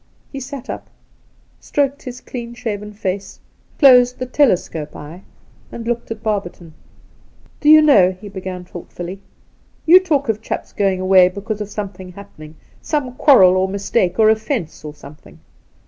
He sat up, stroked his clean shaven face, closed the telescope eye, and looked at Barberton. ' Do you know,' he began thoughtfully, ' you talk of chaps going away because of something happening — some quarrel or mistake or oflfence or soniething.